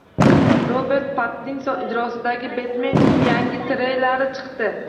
Robert Pattinson ijrosidagi Betmenning yangi treyleri chiqdi